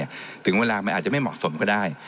ถึงเวลามันอาจจะไม่เหมาะสมก็ได้